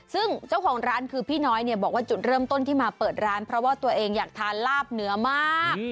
ซึ่งเจ้าของร้านคือพี่น้อยเนี่ยบอกว่าจุดเริ่มต้นที่มาเปิดร้านเพราะว่าตัวเองอยากทานลาบเนื้อมาก